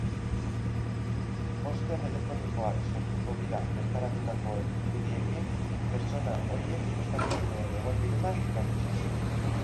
Poster elektronikoak sortuko dira bertaratutakoen irudiekin, pertsona horiek ospakizunean egon direla erakutsiz.